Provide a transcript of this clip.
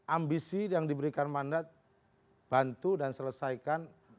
ambisi yang diberikan mandat bantu dan selesaikan